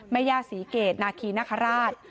แม่ย่าศรีเกตนาคีนคราช